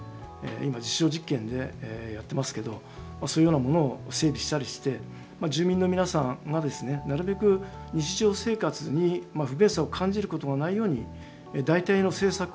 今実証実験でやってますけどそういうようなものを整備したりして住民の皆さんがですねなるべく日常生活に不便さを感じることがないように代替の政策をですね